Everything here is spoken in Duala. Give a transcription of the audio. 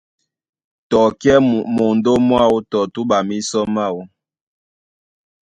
Tɔ kɛ́ mondó mwáō tɔ túɓa mísɔ máō.